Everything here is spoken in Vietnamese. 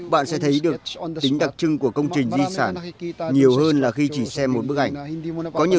bạn sẽ thấy được tính đặc trưng của công trình di sản nhiều hơn là khi chỉ xem một bức ảnh có nhiều